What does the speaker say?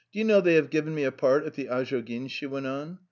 You know, they have given me a part at the AzhouginsV she went on.